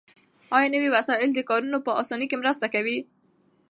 آیا نوي وسایل د کارونو په اسانۍ کې مرسته کوي؟